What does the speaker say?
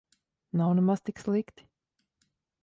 Nav nemaz tik slikti.